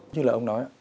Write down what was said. như là ông nói